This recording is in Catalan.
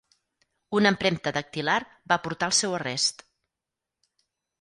Una empremta dactilar va portar al seu arrest.